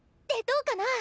でどうかな？